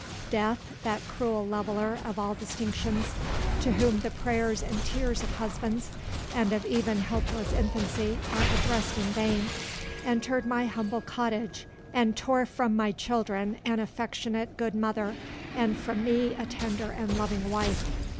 Death, that cruel leveller of all distinctions, to whom the prayers and tears of husbands, and of even helpless infancy, are addressed in vain, entered my humble cottage, and tore from my children an affectionate good mother, and from me a tender and loving wife.